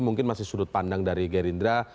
mungkin masih sudut pandang dari gerindra